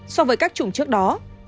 so với các chủng trước đó